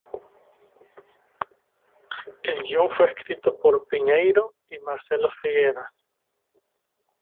El guion fue escrito por Piñeyro y Marcelo Figueras.